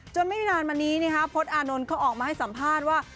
ไม่นานมานี้พจน์อานนท์เขาออกมาให้สัมภาษณ์ว่า